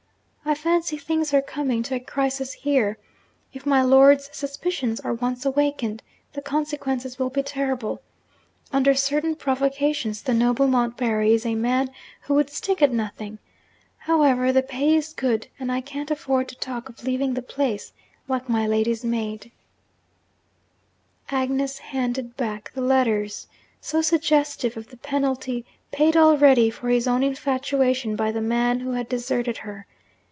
I fancy things are coming to a crisis here. If my lord's suspicions are once awakened, the consequences will be terrible. Under certain provocations, the noble Montbarry is a man who would stick at nothing. However, the pay is good and I can't afford to talk of leaving the place, like my lady's maid.' Agnes handed back the letters so suggestive of the penalty paid already for his own infatuation by the man who had deserted her!